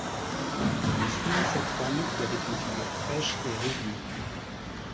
Il suivit cette femme qui avait une figure fraîche et réjouie.